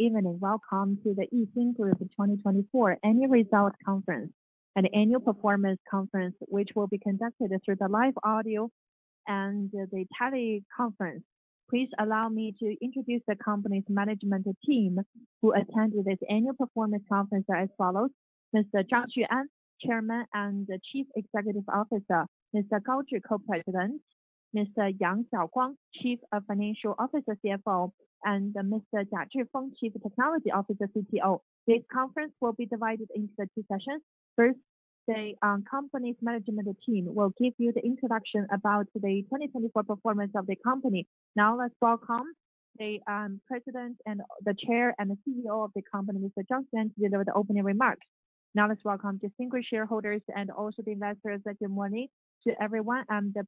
Evening, welcome to the Yixin Group 2024 Annual Results Conference, an annual performance conference which will be conducted through the live audio and the tele-conference. Please allow me to introduce the company's management team who attended this annual performance conference as follows: Mr. Zhang Xuan, Chairman and Chief Executive Officer; Mr. Zhi Gao, Co-President; Mr. Xiaoguang Yang, Chief Financial Officer, CFO; and Mr. Jia Zhifeng, Chief Technology Officer, CTO. This conference will be divided into two sessions. First, the company's management team will give you the introduction about the 2024 performance of the company. Now, let's welcome the President and the Chair and the CEO of the company, Mr. Zhang Xuan, to deliver the opening remarks. Now, let's welcome distinguished shareholders and also the investors. Good morning to everyone. I'm the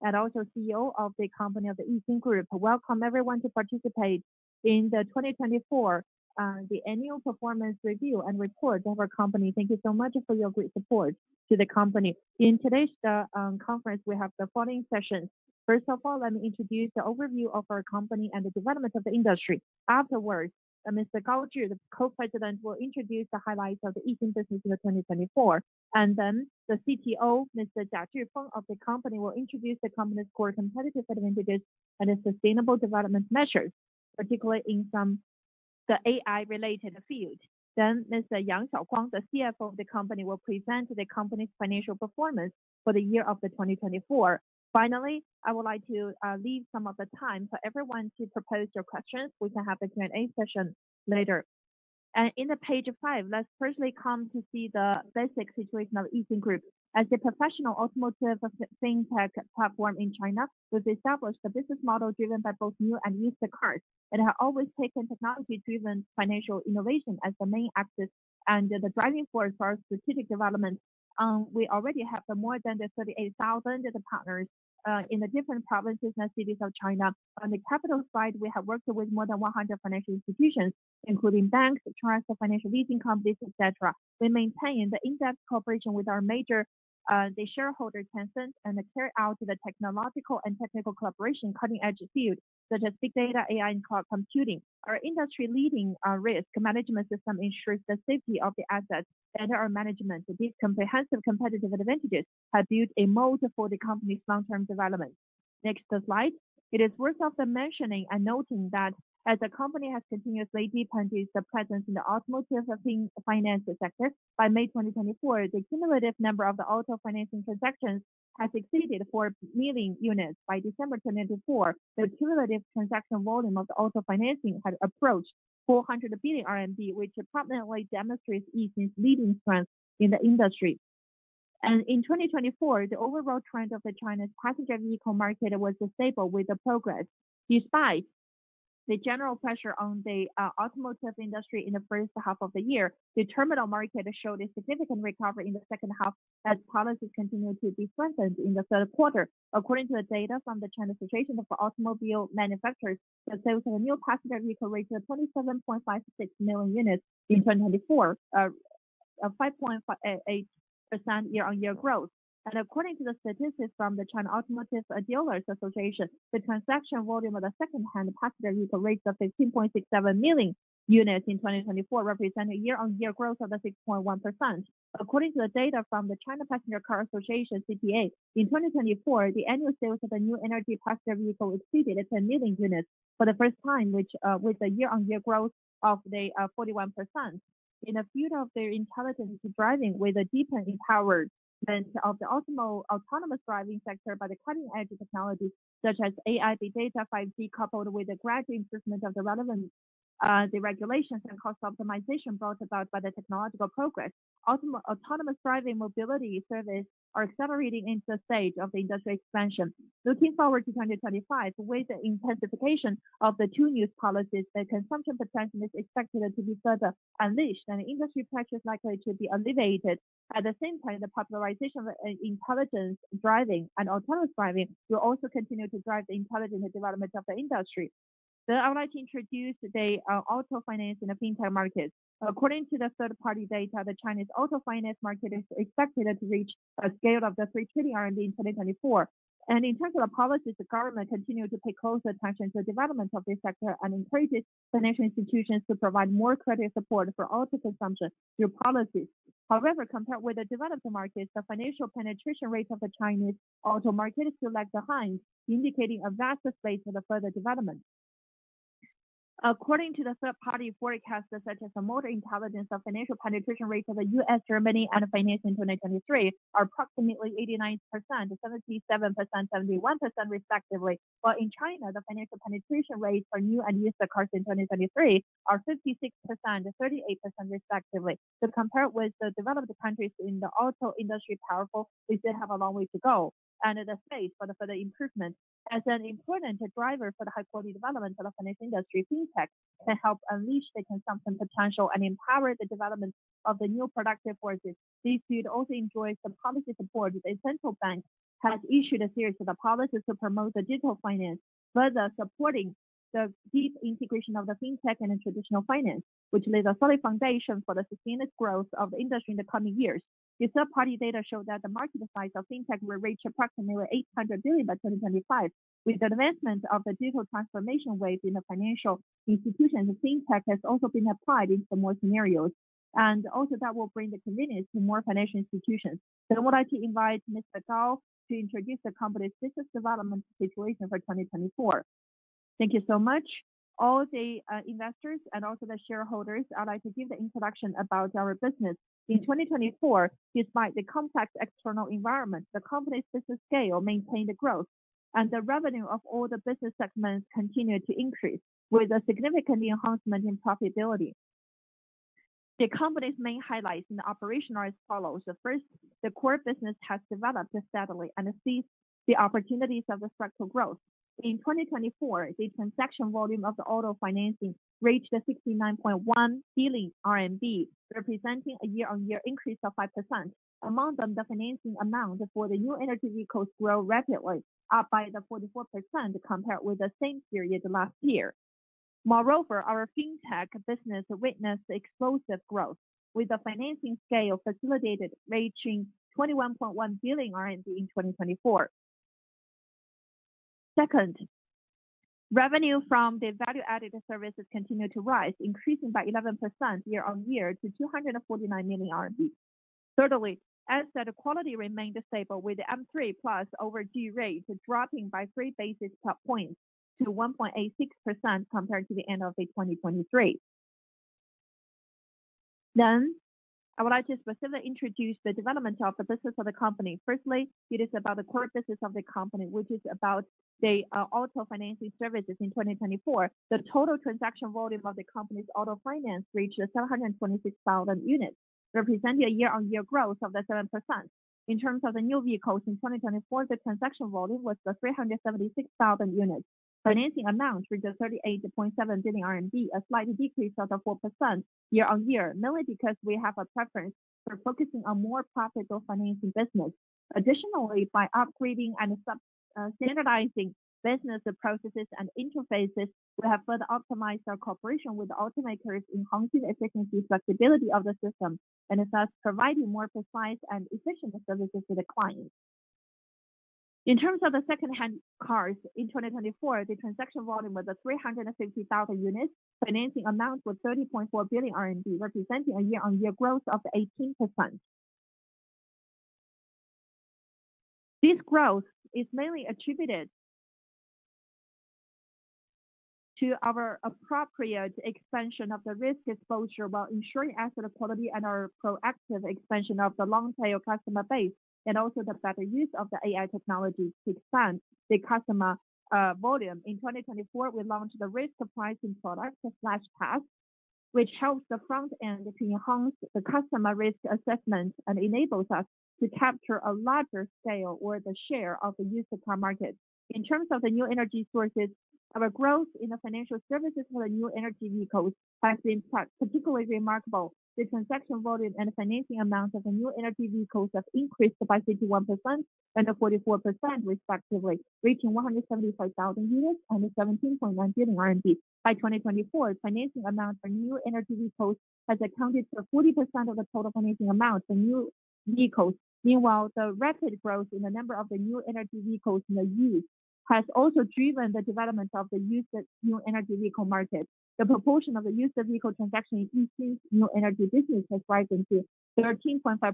President and also CEO of the company of the Yixin Group. Welcome everyone to participate in the 2024 Annual Performance Review and Report of our company. Thank you so much for your great support to the company. In today's conference, we have the following sessions. First of all, let me introduce the overview of our company and the development of the industry. Afterwards, Mr. Gao Zhi, the Co-President, will introduce the highlights of the Yixin business year 2024. And then the CTO, Mr. Jia Zhifeng, of the company will introduce the company's core competitive advantages and its sustainable development measures, particularly in the AI-related field. Then Mr. Yang Xiaoguang, the CFO of the company, will present the company's financial performance for the year of 2024. Finally, I would like to leave some of the time for everyone to propose your questions. We can have the Q&A session later. In page five, let's firstly come to see the basic situation of Yixin Group. As a professional automotive fintech platform in China, we've established a business model driven by both new and used cars. It has always taken technology-driven financial innovation as the main axis and the driving force for our strategic development. We already have more than 38,000 partners in the different provinces and cities of China. On the capital side, we have worked with more than 100 financial institutions, including banks, transfer financial leasing companies, etc. We maintain the in-depth cooperation with our major shareholder Tencent and carry out the technological and technical collaboration in cutting-edge fields such as big data, AI, and cloud computing. Our industry-leading risk management system ensures the safety of the assets and our management. These comprehensive competitive advantages have built a moat for the company's long-term development. Next slide. It is worth mentioning and noting that as the company has continuously deepened its presence in the automotive finance sector, by May 2024, the cumulative number of auto financing transactions has exceeded four million units. By December 2024, the cumulative transaction volume of auto financing had approached 400 billion RMB, which prominently demonstrates Yixin's leading strength in the industry. In 2024, the overall trend of China's passenger vehicle market was stable with progress. Despite the general pressure on the automotive industry in the first half of the year, the terminal market showed a significant recovery in the second half as policies continued to be strengthened in the Q3. According to data from the China Association of Automobile Manufacturers, the sales of new passenger vehicles reached 27.56 million units in 2024, a 5.8% year-on-year growth. According to the statistics from the China Automotive Dealers Association, the transaction volume of the second-hand passenger vehicles reached 15.67 million units in 2024, representing year-on-year growth of 6.1%. According to the data from the China Passenger Car Association (CPCA), in 2024, the annual sales of new energy passenger vehicles exceeded 10 million units for the first time, with the year-on-year growth of 41%. In the field of intelligent driving, with a deepened empowerment of the autonomous driving sector by the cutting-edge technologies such as AI, big data, 5G, coupled with the gradual improvement of the regulations and cost optimization brought about by the technological progress, autonomous driving mobility services are accelerating into the stage of industry expansion. Looking forward to 2025, with the intensification of the two new policies, the consumption potential is expected to be further unleashed, and industry pressure is likely to be alleviated. At the same time, the popularization of intelligent driving and autonomous driving will also continue to drive the intelligent development of the industry. Then I would like to introduce the auto finance in the fintech markets. According to third-party data, the Chinese auto finance market is expected to reach a scale of 3 trillion RMB in 2024. And in terms of the policies, the government continues to pay close attention to the development of this sector and encourages financial institutions to provide more credit support for auto consumption through policies. However, compared with the developed markets, the financial penetration rate of the Chinese auto market is still lagging behind, indicating a vast space for further development. According to third-party forecasts such as the Motor Intelligence, the financial penetration rate of the U.S., Germany, and China in 2023 are approximately 89%, 77%, 71%, respectively. While in China, the financial penetration rates for new and used cars in 2023 are 56%, 38%, respectively, so compared with the developed countries in the auto industry, powerful, we still have a long way to go, and the space for further improvement as an important driver for the high-quality development of the finance industry, fintech can help unleash the consumption potential and empower the development of the new productive forces. This field also enjoys the policy support. The central bank has issued a series of policies to promote digital finance, further supporting the deep integration of the fintech and traditional finance, which lays a solid foundation for the sustained growth of the industry in the coming years. The third-party data show that the market size of fintech will reach approximately 800 billion by 2025. With the advancement of the digital transformation wave in the financial institutions, fintech has also been applied in more scenarios, and also that will bring the convenience to more financial institutions. Then I would like to invite Mr. Gao to introduce the company's business development situation for 2024. Thank you so much. All the investors and also the shareholders, I'd like to give the introduction about our business. In 2024, despite the complex external environment, the company's business scale maintained growth, and the revenue of all the business segments continued to increase with a significant enhancement in profitability. The company's main highlights in operation are as follows. First, the core business has developed steadily and sees the opportunities of structural growth. In 2024, the transaction volume of auto financing reached 69.1 billion RMB, representing a year-on-year increase of 5%. Among them, the financing amount for New Energy Vehicles grew rapidly, up by 44% compared with the same period last year. Moreover, our fintech business witnessed explosive growth, with the financing scale facilitated, reaching 21.1 billion RMB in 2024. Second, revenue from value-added services continued to rise, increasing by 11% year-on-year to 249 million RMB. Thirdly, asset quality remained stable with M3+ overdue rate, dropping by three basis points to 1.86% compared to the end of 2023. Then I would like to specifically introduce the development of the business of the company. Firstly, it is about the core business of the company, which is about auto financing services in 2024. The total transaction volume of the company's auto finance reached 726,000 units, representing a year-on-year growth of 7%. In terms of the new vehicles in 2024, the transaction volume was 376,000 units. Financing amount reached 38.7 billion RMB, a slight decrease of 4% year-on-year, mainly because we have a preference for focusing on more profitable financing business. Additionally, by upgrading and standardizing business processes and interfaces, we have further optimized our cooperation with automakers in enhancing efficiency and flexibility of the system and thus providing more precise and efficient services to the client. In terms of the second-hand cars in 2024, the transaction volume was 350,000 units. Financing amount was 30.4 billion RMB, representing a year-on-year growth of 18%. This growth is mainly attributed to our appropriate expansion of the risk exposure while ensuring asset quality and our proactive expansion of the long-tail customer base and also the better use of the AI technology to expand the customer volume. In 2024, we launched the risk pricing product, FlashPass, which helps the front end to enhance the customer risk assessment and enables us to capture a larger scale or the share of the used car market. In terms of the new energies, our growth in the financial services for the new energy vehicles has been particularly remarkable. The transaction volume and financing amount of the new energy vehicles have increased by 51% and 44%, respectively, reaching 175,000 units and 17.9 billion RMB. By 2024, the financing amount for new energy vehicles has accounted for 40% of the total financing amount for new vehicles. Meanwhile, the rapid growth in the number of new energy vehicles in the U.S. has also driven the development of the used new energy vehicle market. The proportion of the used vehicle transactions in new energy business has risen to 13.5%.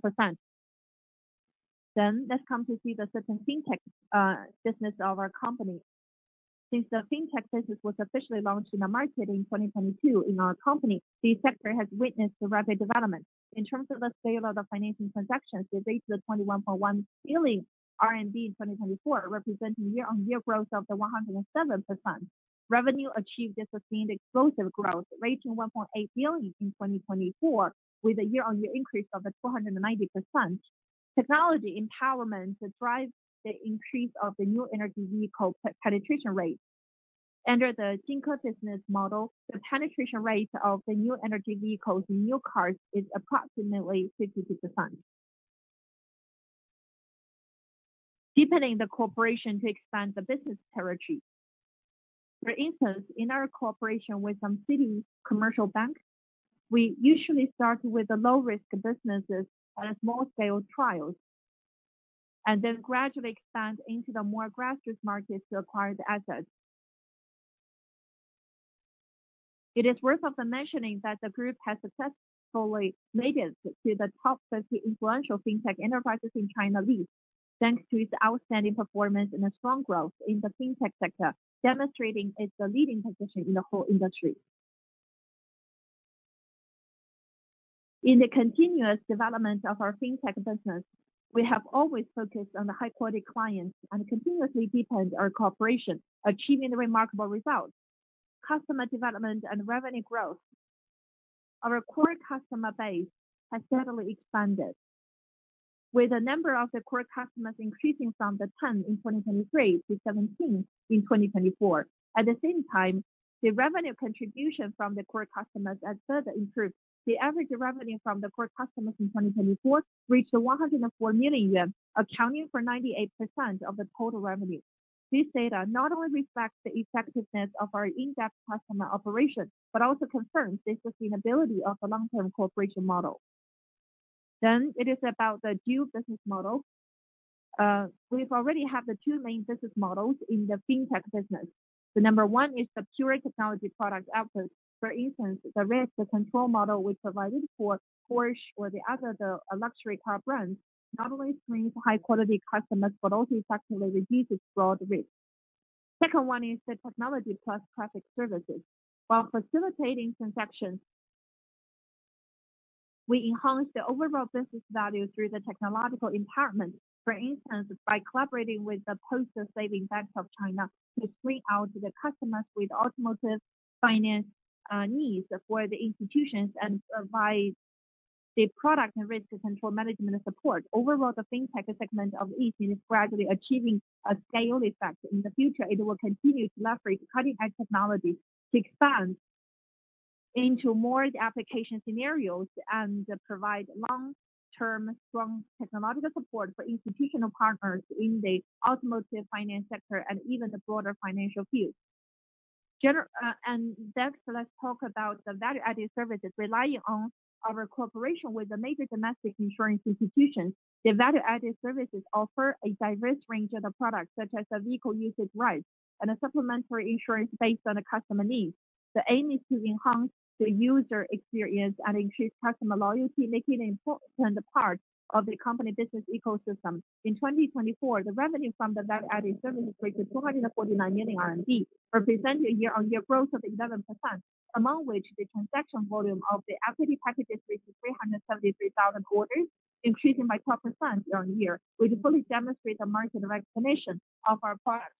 Then let's come to see the second fintech business of our company. Since the fintech business was officially launched in the market in 2022 in our company, the sector has witnessed rapid development. In terms of the scale of the financing transactions, they reached 21.1 billion RMB in 2024, representing year-on-year growth of 107%. Revenue achieved a sustained explosive growth, reaching 1.8 billion in 2024, with a year-on-year increase of 290%. Technology empowerment drives the increase of the new energy vehicle penetration rate. Under the Zhenghe business model, the penetration rate of the new energy vehicles in new cars is approximately 52%, depening the cooperation to expand the business territory. For instance, in our cooperation with some city commercial banks, we usually start with the low-risk businesses and small-scale trials and then gradually expand into the more grassroots markets to acquire the assets. It is worth mentioning that the group has successfully made it to the top 50 influential fintech enterprises in China list, thanks to its outstanding performance and strong growth in the fintech sector, demonstrating its leading position in the whole industry. In the continuous development of our fintech business, we have always focused on the high-quality clients and continuously deepened our cooperation, achieving remarkable results. Customer development and revenue growth. Our core customer base has steadily expanded, with the number of core customers increasing from 10 in 2023 to 17 in 2024. At the same time, the revenue contribution from the core customers has further improved. The average revenue from the core customers in 2024 reached 104 million, accounting for 98% of the total revenue. This data not only reflects the effectiveness of our in-depth customer operation, but also confirms the sustainability of the long-term cooperation model. Then it is about the dual business model. We already have the two main business models in the fintech business. The number one is the pure technology product output. For instance, the risk control model we provided for Porsche or the other luxury car brands not only screens high-quality customers, but also effectively reduces fraud risk. The second one is the technology plus traffic services. While facilitating transactions, we enhance the overall business value through the technological empowerment. For instance, by collaborating with the Postal Savings Bank of China to screen out the customers with automotive finance needs for the institutions and provide the product and risk control management support. Overall, the fintech segment of Yixin is gradually achieving a scale effect. In the future, it will continue to leverage cutting-edge technology to expand into more application scenarios and provide long-term strong technological support for institutional partners in the automotive finance sector and even the broader financial field. Next, let's talk about the value-added services. Relying on our cooperation with the major domestic insurance institutions, the value-added services offer a diverse range of products such as vehicle usage rights and a supplementary insurance based on the customer needs. The aim is to enhance the user experience and increase customer loyalty, making it an important part of the company business ecosystem. In 2024, the revenue from the value-added services reached 249 million RMB, representing a year-on-year growth of 11%, among which the transaction volume of the equity packages reached 373,000 orders, increasing by 12% year-on-year, which fully demonstrates the market recognition of our product.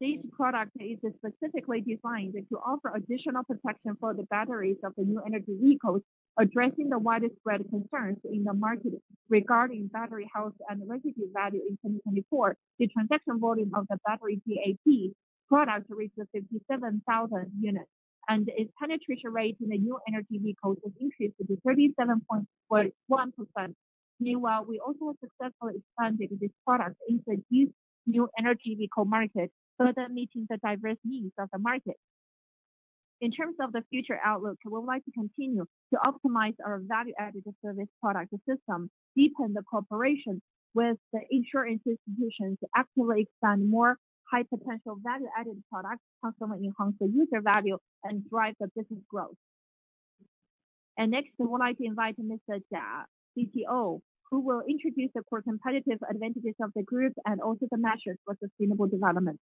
This product is specifically designed to offer additional protection for the batteries of the new energy vehicles, addressing the widespread concerns in the market regarding battery health and residual value in 2024. The transaction volume of the battery BAP product reached 57,000 units, and its penetration rate in the new energy vehicles has increased to 37.1%. Meanwhile, we also successfully expanded this product into the new energy vehicle market, further meeting the diverse needs of the market. In terms of the future outlook, we would like to continue to optimize our value-added service product system, deepen the cooperation with the insurance institutions, actively expand more high-potential value-added products, constantly enhance the user value, and drive the business growth, and next, I would like to invite Mr. Zhifeng Jia, CTO, who will introduce the core competitive advantages of the group and also the measures for sustainable development.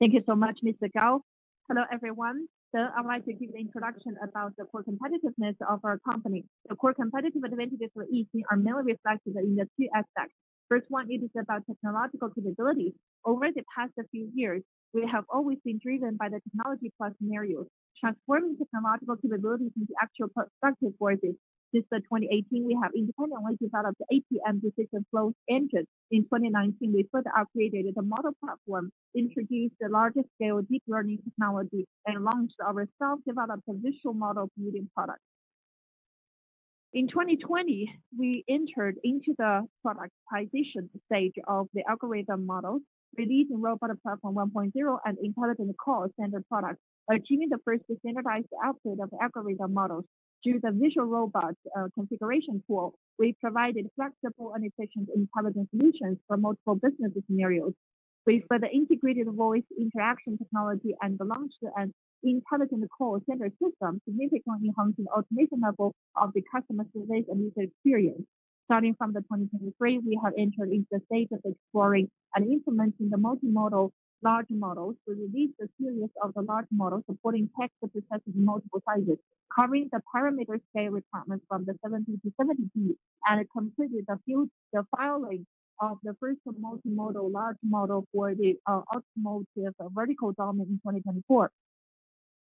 Thank you so much, Mr.Gao. Hello, everyone. Then I'd like to give the introduction about the core competitiveness of our company. The core competitive advantages for Yixin are mainly reflected in the two aspects. First one, it is about technological capabilities. Over the past few years, we have always been driven by the technology plus scenarios, transforming technological capabilities into actual productive forces. Since 2018, we have independently developed APM Decision Flow Engines. In 2019, we further upgraded the model platform, introduced the largest scale deep learning technology, and launched our self-developed visual model building product. In 2020, we entered into the productization stage of the algorithm models, releasing Robot Platform 1.0 and Intelligent Call Center products, achieving the first standardized output of algorithm models. Through the visual robot configuration tool, we provided flexible and efficient intelligence solutions for multiple business scenarios. We further integrated voice interaction technology and launched an Intelligent Call Center system, significantly enhancing the automation level of the customer service and user experience. Starting from 2023, we have entered into the stage of exploring and implementing the multimodal large models. We released a series of large models supporting text processing in multiple sizes, covering the parameter scale requirements from 17B to 70B, and completed the filing of the first multimodal large model for the automotive vertical domain in 2024.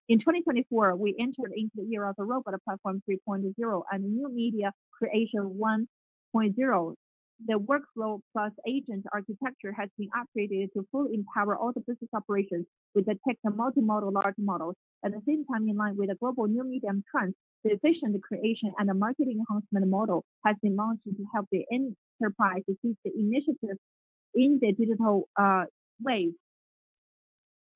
In 2024, we entered into the era of the Robot Platform 3.0 and New Media Creation 1.0. The workflow plus agent architecture has been upgraded to fully empower all the business operations with the tech and multimodal large models. At the same time, in line with the global new media and trends, the efficient creation and the marketing enhancement model has been launched to help the enterprise see the initiatives in the digital wave.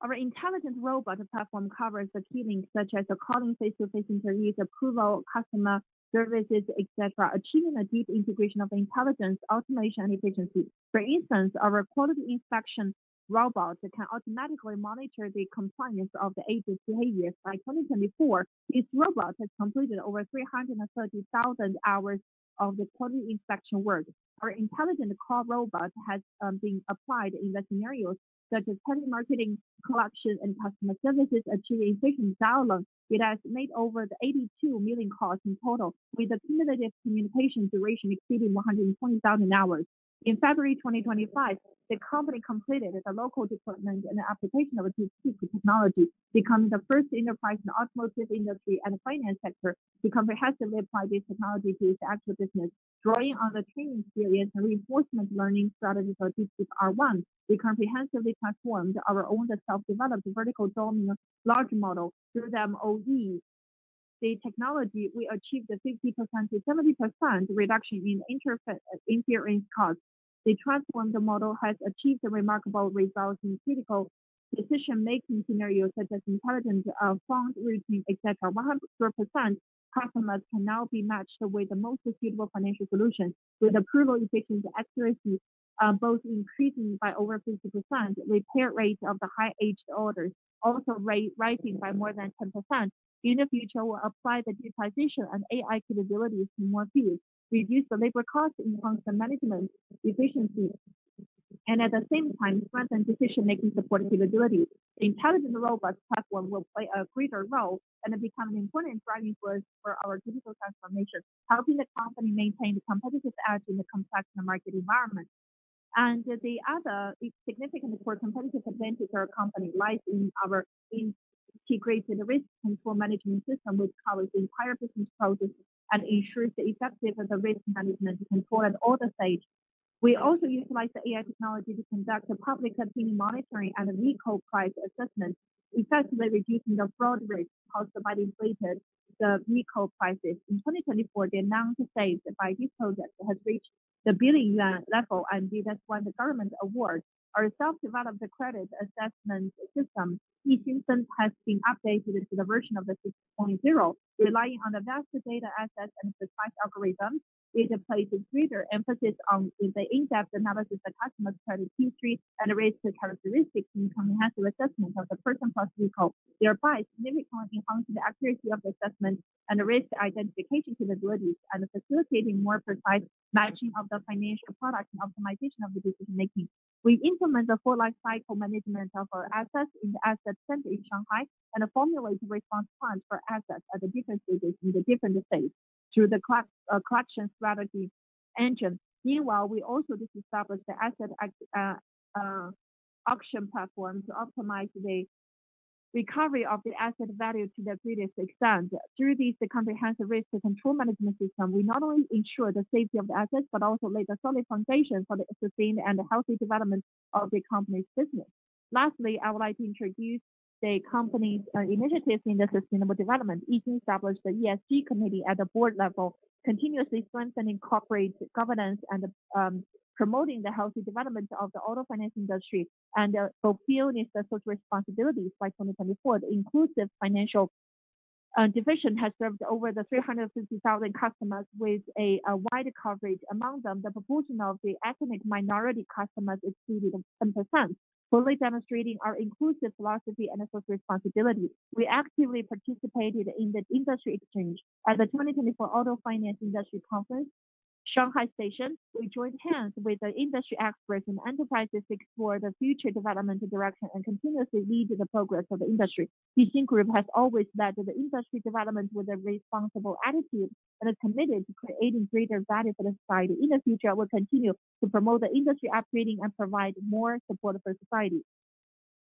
Our Intelligent Robot Platform covers the key links such as calling face-to-face interviews, approval, customer services, etc., achieving a deep integration of intelligence, automation, and efficiency. For instance, our quality inspection robot can automatically monitor the compliance of the agent's behavior. By 2024, this robot has completed over 330,000 hours of the quality inspection work. Our Intelligent Call robot has been applied in the scenarios such as telemarketing, collection, and customer services, achieving efficient dialogue. It has made over 82 million calls in total, with the cumulative communication duration exceeding 120,000 hours. In February 2025, the company completed the local deployment and application of DeepSeek technology, becoming the first enterprise in the automotive industry and the finance sector to comprehensively apply this technology to its actual business, drawing on the training experience and reinforcement learning strategies of DeepSeek-R1. We comprehensively transformed our own self-developed vertical domain large model through the MoE technology. We achieved a 50%-70% reduction in inference costs. The transformed model has achieved remarkable results in critical decision-making scenarios such as intelligent fund routing, etc. 100% customers can now be matched with the most suitable financial solutions, with approval efficiency and accuracy both increasing by over 50%, repair rate of the high-aged orders also rising by more than 10%. In the future, we'll apply the deep transition and AI capabilities to more fields, reduce the labor costs, enhance the management efficiency, and at the same time, strengthen decision-making support capabilities. The Intelligent Robot Platform will play a greater role and become an important driving force for our digital transformation, helping the company maintain the competitive edge in the complex market environment, and the other significant core competitive advantage of our company lies in our integrated risk control management system, which covers the entire business process and ensures the effective risk management control at all the stages. We also utilize the AI technology to conduct a public continuing monitoring and a recall price assessment, effectively reducing the fraud risk caused by the inflated recall prices. In 2024, the amount saved by this project has reached the 1 billion yuan level, and that's why the government awards our self-developed credit assessment system. Yixin has been updated to the version of the 6.0, relying on the best data assets and precise algorithms. It places greater emphasis on the in-depth analysis of customer credit history and risk characteristics in comprehensive assessment of the person plus vehicle, thereby significantly enhancing the accuracy of the assessment and risk identification capabilities and facilitating more precise matching of the financial product and optimization of the decision-making. We implement the full life cycle management of our assets in the asset center in Shanghai and formulate a response plan for assets at the different stages through the collection strategy engine. Meanwhile, we also established the asset auction platform to optimize the recovery of the asset value to the greatest extent. Through this comprehensive risk control management system, we not only ensure the safety of the assets, but also lay the solid foundation for the sustained and healthy development of the company's business. Lastly, I would like to introduce the company's initiatives in the sustainable development. Yixin established the ESG committee at the board level, continuously strengthening corporate governance and promoting the healthy development of the auto finance industry and fulfilling its social responsibilities by 2024. The inclusive financial division has served over 350,000 customers with a wide coverage. Among them, the proportion of the ethnic minority customers exceeded 10%, fully demonstrating our inclusive philosophy and social responsibility. We actively participated in the industry exchange at the 2024 Auto Finance Industry Conference, Shanghai Station. We joined hands with the industry experts and enterprises to explore the future development direction and continuously lead the progress of the industry. Yixin Group has always led the industry development with a responsible attitude and is committed to creating greater value for the society. In the future, we'll continue to promote the industry upgrading and provide more support for society.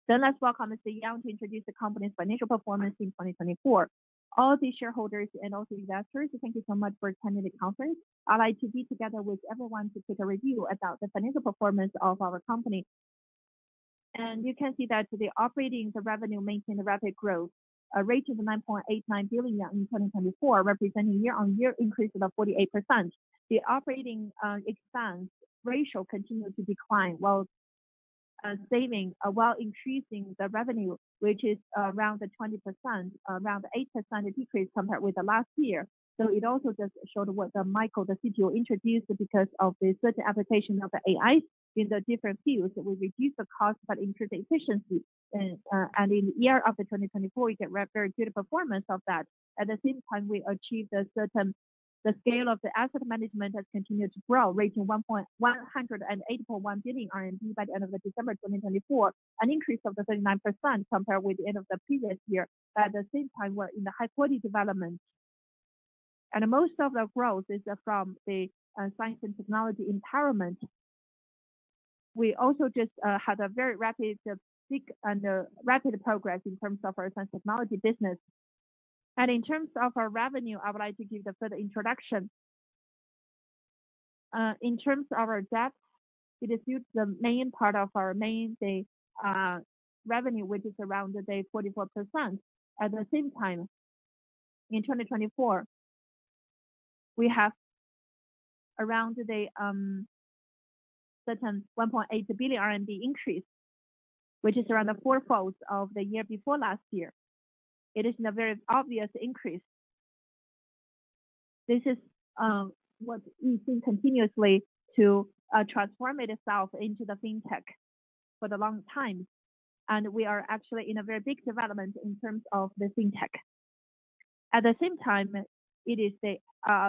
Then let's welcome Mr. Yang to introduce the company's financial performance in 2024. All the shareholders and also investors, thank you so much for attending the conference. I'd like to be together with everyone to take a review about the financial performance of our company. And you can see that the operating revenue maintained a rapid growth, a rate of 9.89 billion in 2024, representing year-on-year increase of 48%. The operating expense ratio continued to decline, while saving, while increasing the revenue, which is around 20%, around 8% decrease compared with the last year. It also just showed what Michael, the CTO, introduced because of the certain application of the AI in the different fields. We reduced the cost, but increased the efficiency. In the year of 2024, we got very good performance of that. At the same time, we achieved a certain scale of the asset management has continued to grow, reaching 1,841 billion RMB by the end of December 2024, an increase of 39% compared with the end of the previous year. At the same time, we're in the high-quality development. Most of the growth is from the science and technology empowerment. We also just had a very rapid peak and rapid progress in terms of our science technology business. In terms of our revenue, I would like to give the further introduction. In terms of our debt, it is the main part of our maintain the revenue, which is around 44%. At the same time, in 2024, we have around 1.8 billion RMB increase, which is around four-fold of the year before last year. It is a very obvious increase. This is what Yixin continuously to transform itself into the fintech for the long time. And we are actually in a very big development in terms of the fintech. At the same time, it is the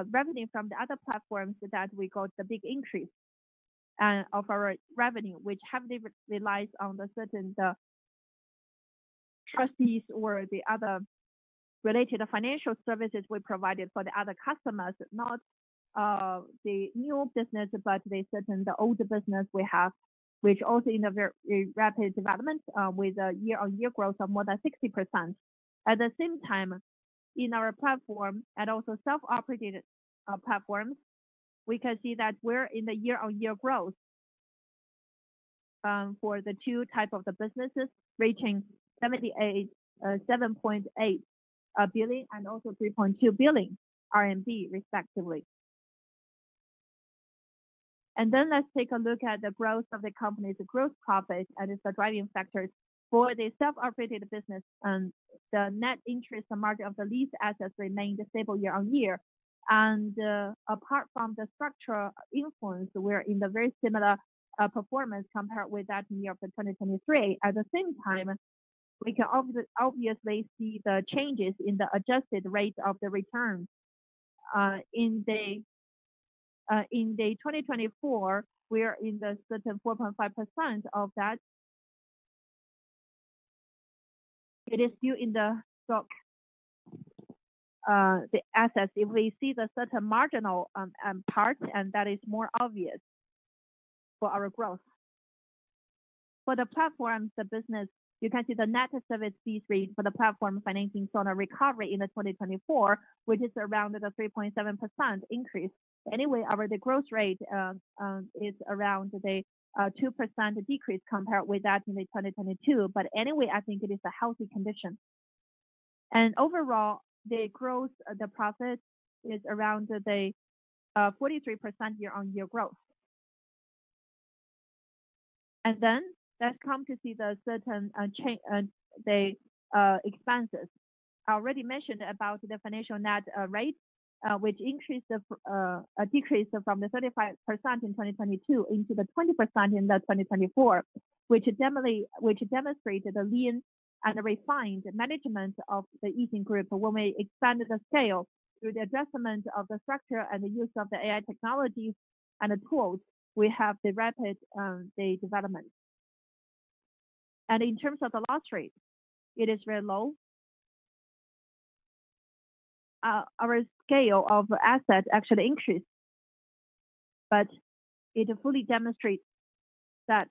revenue from the other platforms that we got the big increase of our revenue, which heavily relies on the certain trustees or the other related financial services we provided for the other customers, not the new business, but the certain old business we have, which also in a very rapid development with a year-on-year growth of more than 60%. At the same time, in our platform and also self-operated platforms, we can see that we're in the year-on-year growth for the two types of the businesses, reaching 78.7 billion and also 3.2 billion RMB, respectively. And then let's take a look at the growth of the company's gross profit and its driving factors. For the self-operated business, the net interest margin of the lease assets remained stable year-on-year. And apart from the structural influence, we're in the very similar performance compared with that year for 2023. At the same time, we can obviously see the changes in the adjusted rate of the returns. In 2024, we are in the certain 4.5% of that. It is still in the stock, the assets. If we see the certain marginal part, and that is more obvious for our growth. For the platforms, the business, you can see the net service fees rate for the platform financing saw a recovery in 2024, which is around the 3.7% increase. Anyway, our gross rate is around the 2% decrease compared with that in 2022, but anyway, I think it is a healthy condition, and overall, the growth, the profit is around the 43% year-on-year growth, and then let's come to see the certain expenses. I already mentioned about the financial net rate, which increased the decrease from the 35% in 2022 into the 20% in 2024, which demonstrated the lean and refined management of the Yixin Group. When we expanded the scale through the adjustment of the structure and the use of the AI technologies and the tools, we have the rapid development, and in terms of the loss rate, it is very low. Our scale of assets actually increased, but it fully demonstrates that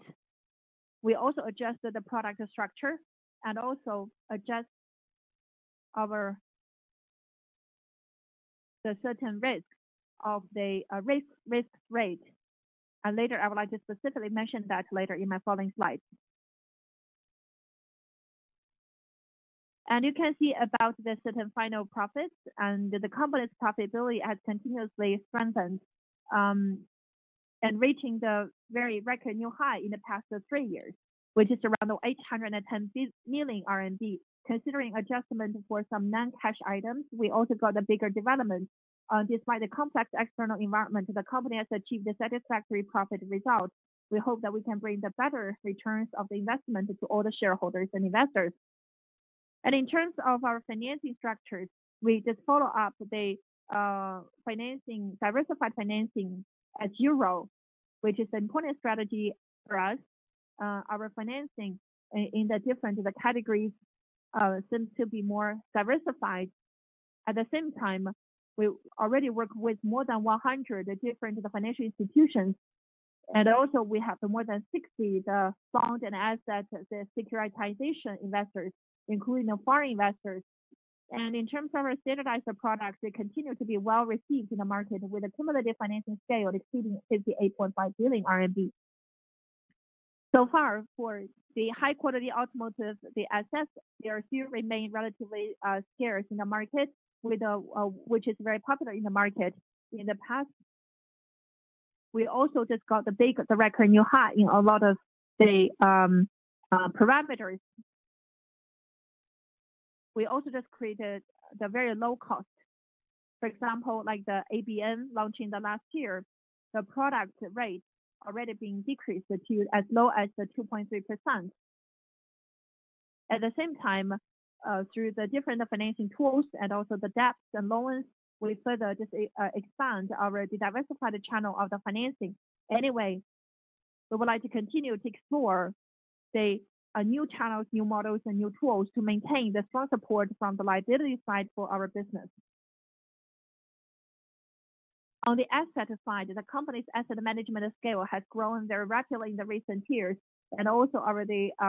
we also adjusted the product structure and also adjusted the certain risk of the risk rate. And later, I would like to specifically mention that later in my following slides. And you can see about the certain final profits. And the company's profitability has continuously strengthened and reached the very record new high in the past three years, which is around 810 million RMB. Considering adjustment for some non-cash items, we also got a bigger development. Despite the complex external environment, the company has achieved a satisfactory profit result. We hope that we can bring the better returns of the investment to all the shareholders and investors. And in terms of our financing structures, we just follow up the diversified financing at zero, which is an important strategy for us. Our financing in the different categories seems to be more diversified. At the same time, we already work with more than 100 different financial institutions, and also we have more than 60 bond and asset securitization investors, including foreign investors, and in terms of our standardized products, they continue to be well received in the market with a cumulative financing scale exceeding 58.5 billion RMB, so far for the high-quality automotive, the assets, they still remain relatively scarce in the market, which is very popular in the market. In the past, we also just got the big record new high in a lot of the parameters. We also just created the very low cost. For example, like the ABN launching the last year, the product rate already being decreased to as low as 2.3%. At the same time, through the different financing tools and also the debts and loans, we further just expand our diversified channel of the financing. Anyway, we would like to continue to explore the new channels, new models, and new tools to maintain the strong support from the liability side for our business. On the asset side, the company's asset management scale has grown very rapidly in the recent years and also our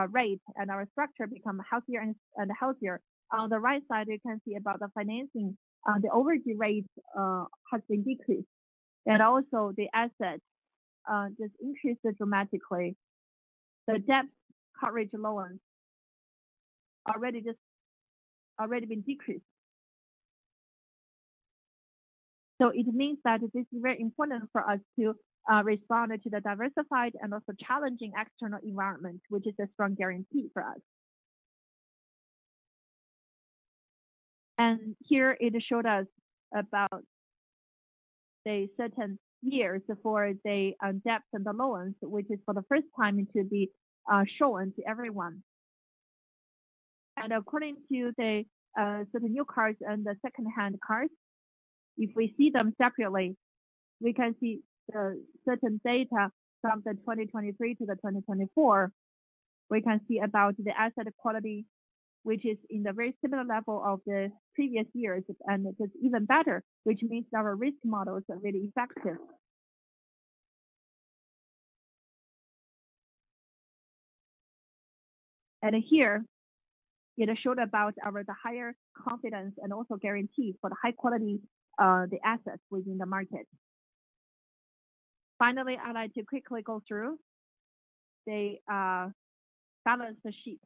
rate and our structure become healthier and healthier. On the right side, you can see about the financing, the overdue rate has been decreased, and also, the assets just increased dramatically. The debt coverage ratio has already been decreased. So it means that this is very important for us to respond to the diversified and also challenging external environment, which is a strong guarantee for us. Here, it showed us about the certain years for the debts and the loans, which is for the first time to be shown to everyone. According to the certain new cars and the second-hand cars, if we see them separately, we can see the certain data from the 2023 to the 2024. We can see about the asset quality, which is in the very similar level of the previous years and just even better, which means our risk models are really effective. Here, it showed about our higher confidence and also guarantee for the high quality assets within the market. Finally, I'd like to quickly go through the balance sheet.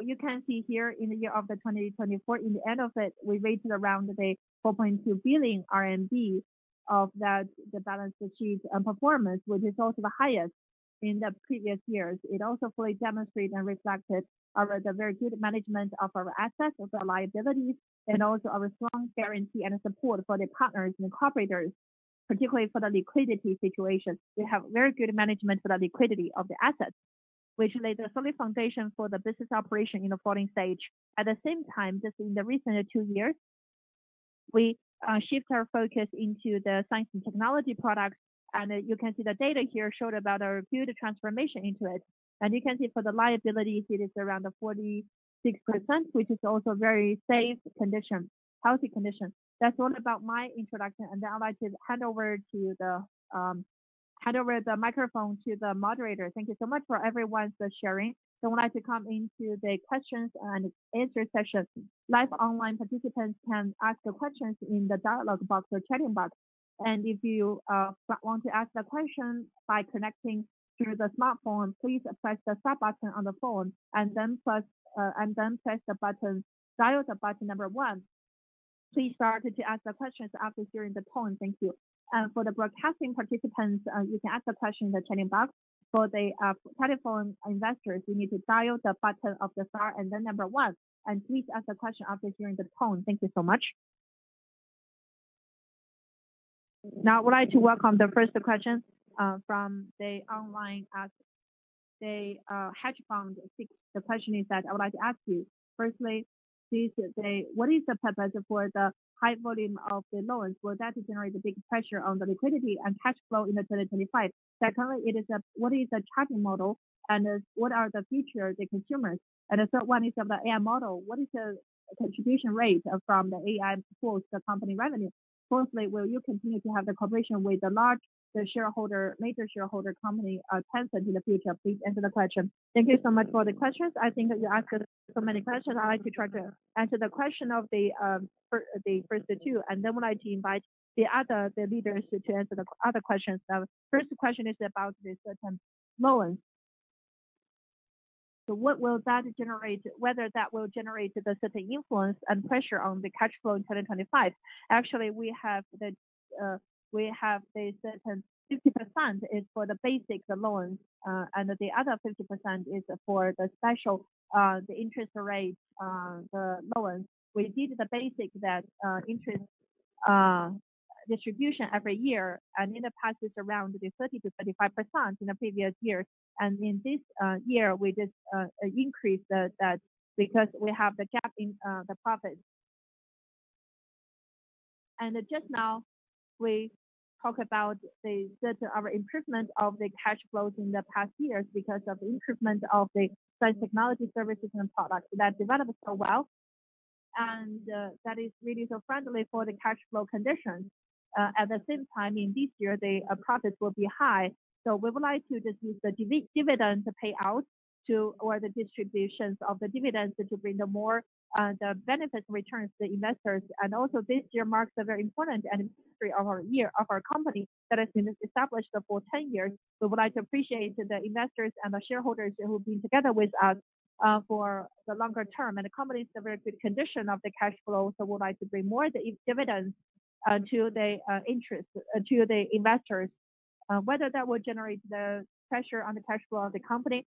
You can see here in the year of 2024, in the end of it, we rated around the 4.2 billion RMB of the balance sheet and performance, which is also the highest in the previous years. It also fully demonstrated and reflected our very good management of our assets and our liabilities and also our strong guarantee and support for the partners and cooperators, particularly for the liquidity situation. We have very good management for the liquidity of the assets, which laid the solid foundation for the business operation in the following stage. At the same time, just in the recent two years, we shifted our focus into the science and technology products, and you can see the data here showed about our good transformation into it, and you can see for the liabilities, it is around 46%, which is also a very safe condition, healthy condition. That's all about my introduction, and then I'd like to hand over the microphone to the moderator. Thank you so much for everyone's sharing, so I'd like to come into the questions and answer session. Live online participants can ask the questions in the dialogue box or chatting box. If you want to ask the question by connecting through the smartphone, please press the star button on the phone and then press one. Please start to ask the questions after hearing the tone. Thank you. For the broadcasting participants, you can ask the question in the chatting box. For the telephone investors, you need to press star, then one. Please ask the question after hearing the tone. Thank you so much. Now, I would like to welcome the first question from the online hedge fund. The question is that I would like to ask you. Firstly, what is the purpose for the high volume of the loans? Will that generate a big pressure on the liquidity and cash flow in 2025? Secondly, what is the charging model and what are the future of the consumers? And the third one is of the AI model. What is the contribution rate from the AI for the company revenue? Fourthly, will you continue to have the cooperation with the large major shareholder company, Tencent, in the future? Please answer the question. Thank you so much for the questions. I think you asked so many questions. I'd like to try to answer the question of the first two. And then I'd like to invite the other leaders to answer the other questions. The first question is about the certain loans. So what will that generate, whether that will generate the certain influence and pressure on the cash flow in 2025? Actually, we have the certain 50% is for the basic loans, and the other 50% is for the special, the interest rate, the loans. We did the basic interest distribution every year, and in the past, it's around 30%-35% in the previous years, and in this year, we just increased that because we have the gap in the profit, and just now, we talk about the improvement of the cash flows in the past years because of the improvement of the science technology services and products that developed so well. And that is really so friendly for the cash flow conditions. At the same time, in this year, the profits will be high, so we would like to just use the dividend payout or the distributions of the dividends to bring more benefits returns to the investors. And also, this year marks a very important anniversary of our year, of our company that has been established for 10 years. We would like to appreciate the investors and the shareholders who have been together with us for the longer term. And the company is in a very good condition of the cash flow. So we would like to bring more of the dividends to the investors. Whether that will generate the pressure on the cash flow of the company,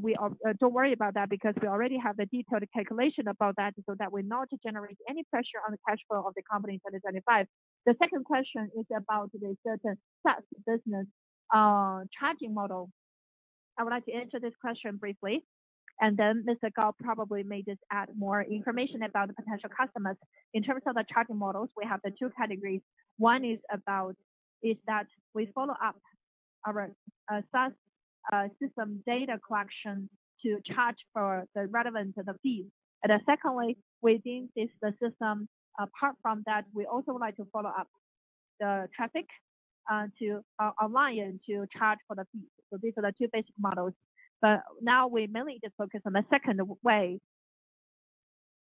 we don't worry about that because we already have the detailed calculation about that so that we're not generating any pressure on the cash flow of the company in 2025. The second question is about the certain SaaS business charging model. I would like to answer this question briefly. And then Mr. Gao probably may just add more information about the potential customers. In terms of the charging models, we have the two categories. One is about that we follow up our SAS system data collection to charge for the relevant fees, and secondly, within the system, apart from that, we also would like to follow up the traffic to align and to charge for the fees, so these are the two basic models, but now, we mainly just focus on the second way,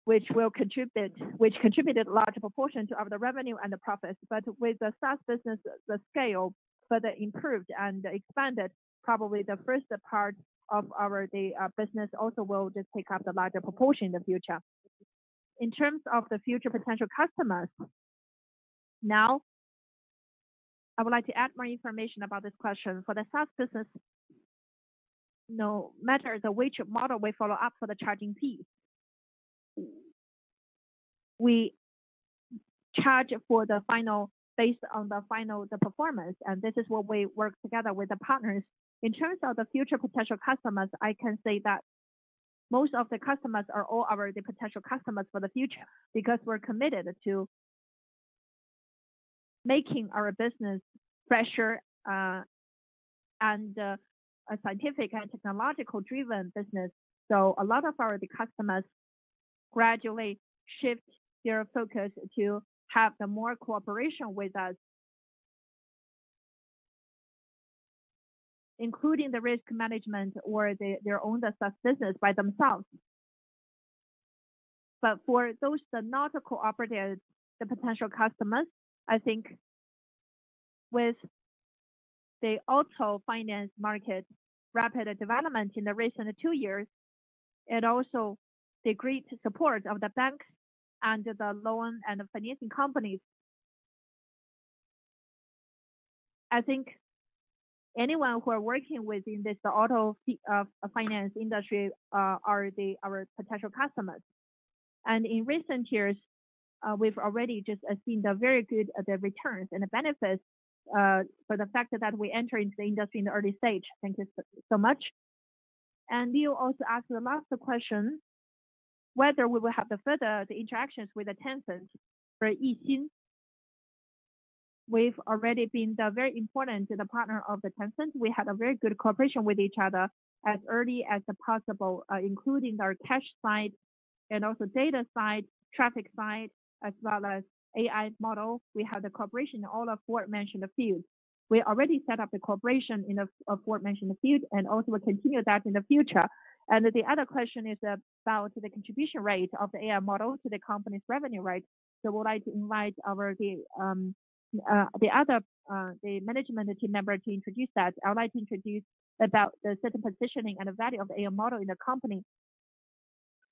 which contributed a large proportion to our revenue and the profits, but with the SAS business, the scale further improved and expanded, probably the first part of our business also will just take up the larger proportion in the future. In terms of the future potential customers, now, I would like to add more information about this question. For the SaaS business, no matter which model we follow up for the charging fees, we charge for the final based on the final performance, and this is what we work together with the partners. In terms of the future potential customers, I can say that most of the customers are all our potential customers for the future because we're committed to making our business fresher and scientific and technological-driven business, so a lot of our customers gradually shift their focus to have more cooperation with us, including the risk management or their own SaaS business by themselves. But for those that are not cooperative, the potential customers, I think with the auto finance market rapid development in the recent two years and also the great support of the banks and the loan and financing companies, I think anyone who is working within this auto finance industry are our potential customers. And in recent years, we've already just seen the very good returns and the benefits for the fact that we entered into the industry in the early stage. Thank you so much. And Leo also asked the last question whether we will have the further interactions with Tencent or Yixin. We've already been a very important partner of Tencent. We had a very good cooperation with each other as early as possible, including our cash side and also data side, traffic side, as well as AI model. We have the cooperation in all aforementioned fields. We already set up the cooperation in the aforementioned field, and also we'll continue that in the future. And the other question is about the contribution rate of the AI model to the company's revenue rate. So I would like to invite the other management team member to introduce that. I would like to introduce about the certain positioning and the value of the AI model in the company.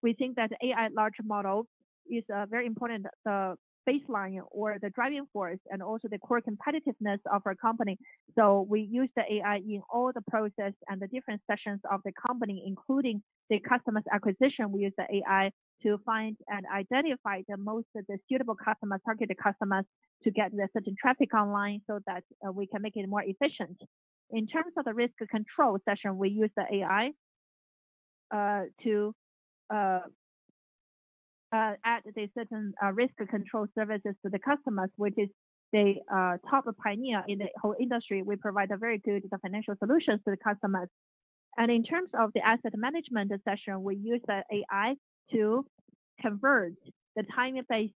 We think that the AI large model is a very important baseline or the driving force and also the core competitiveness of our company. So we use the AI in all the process and the different sessions of the company, including the customer's acquisition. We use the AI to find and identify the most suitable customers, targeted customers, to get the certain traffic online so that we can make it more efficient. In terms of the risk control session, we use the AI to add the certain risk control services to the customers, which is the top pioneer in the whole industry. We provide very good financial solutions to the customers. And in terms of the asset management session, we use the AI to convert the time-based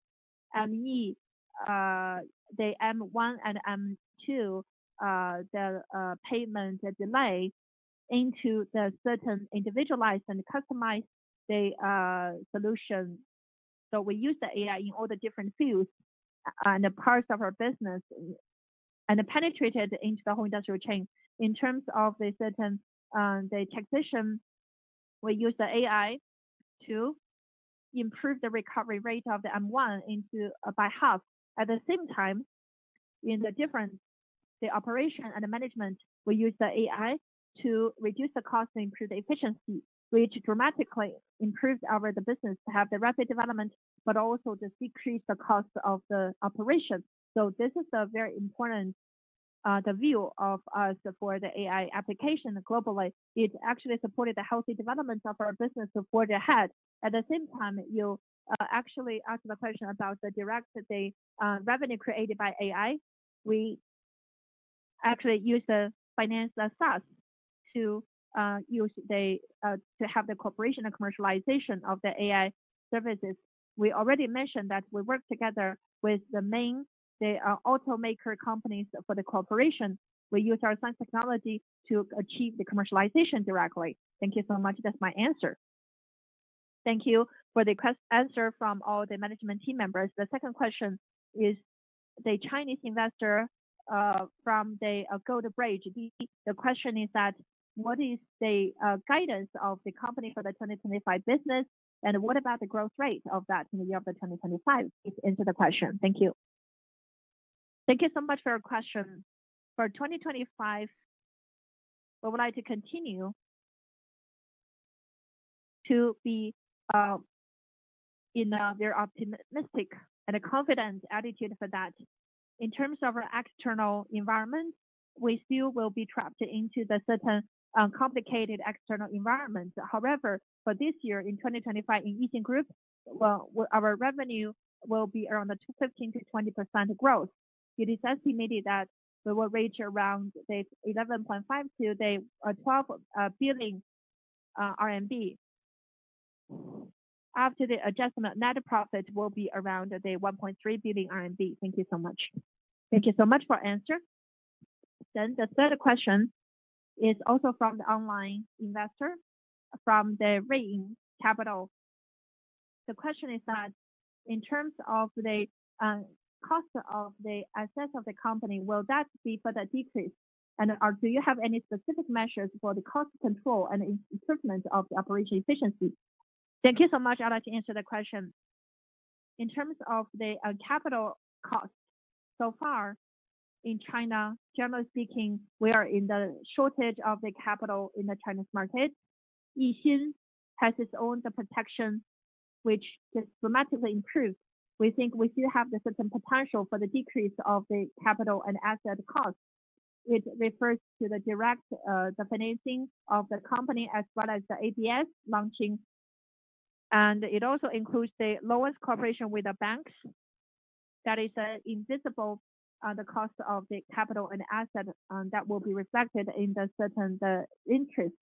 ME, the M1 and M2, the payment delay into the certain individualized and customized solutions. So we use the AI in all the different fields and parts of our business and penetrated into the whole industrial chain. In terms of the certain techniques, we use the AI to improve the recovery rate of the M1 by half. At the same time, in the different operations and management, we use the AI to reduce the cost and improve the efficiency, which dramatically improves our business to have the rapid development, but also just decrease the cost of the operation. So this is a very important view of us for the AI application globally. It actually supported the healthy development of our business for the ahead. At the same time, you actually asked the question about the direct revenue created by AI. We actually use the finance SaaS to have the cooperation and commercialization of the AI services. We already mentioned that we work together with the main automaker companies for the cooperation. We use our science technology to achieve the commercialization directly. Thank you so much. That's my answer. Thank you for the question answer from all the management team members. The second question is the Chinese investor from the Gold Bridge. The question is that what is the guidance of the company for the 2025 business, and what about the growth rate of that in the year of 2025? Please answer the question, Thank you. Thank you so much for your question. For 2025, we would like to continue to be in a very optimistic and a confident attitude for that. In terms of our external environment, we still will be trapped into the certain complicated external environment. However, for this year, in 2025, in Yixin Group, our revenue will be around a 15%-20% growth. It is estimated that we will reach around the 11.5 billion-12 billion RMB. After the adjustment, net profit will be around the 1.3 billion RMB. Thank you so much. Thank you so much for the answer. Then the third question is also from the online investor from the RAYN Capital. The question is that in terms of the cost of the assets of the company, will that be further decreased? And do you have any specific measures for the cost control and improvement of the operation efficiency? Thank you so much. I'd like to answer the question. In terms of the capital cost, so far in China, generally speaking, we are in the shortage of the capital in the Chinese market. Yixin has its own protection, which is dramatically improved. We think we still have the certain potential for the decrease of the capital and asset costs. It refers to the direct financing of the company as well as the ABS launching. And it also includes the loans cooperation with the banks. That is invisible on the cost of the capital and asset that will be reflected in the certain interest.